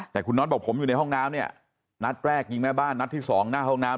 แต่คุณนอทบอกผมอยู่ในห้องน้ำเนี่ยนัดแรกยิงแม่บ้านนัดที่สองหน้าห้องน้ำ